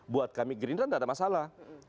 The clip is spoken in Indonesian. buat kami gerindra tidak ada masalah